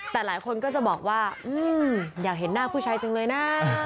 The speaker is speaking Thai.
แต่หลายคนก็จะบอกว่าอยากเห็นหน้าผู้ชายจังเลยนะ